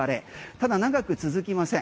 ただ、長く続きません。